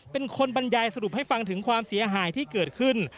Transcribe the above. เป็นคนบรรยายสรุปให้ฟังถึงความเสียหายที่เกิดขึ้น